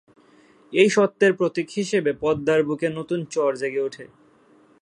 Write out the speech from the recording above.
এই সত্যের প্রতীক হিসেবে পদ্মার বুকে নতুন চর জেগে উঠে।